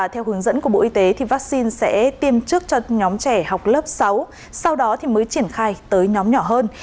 theo hướng dẫn của bộ y tế vaccine sẽ tiêm trước cho nhóm trẻ học lớp sáu sau đó mới triển khai tới nhóm nhỏ hơn